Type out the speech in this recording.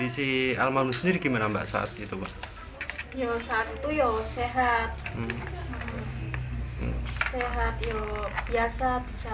saat itu ya sehat sehat ya biasa bicara ya biasa